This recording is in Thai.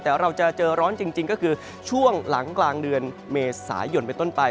แต่เราจะเจอร้อนจริงก็คือช่วงหลังกลางเดือนเมษายนไปต้นไป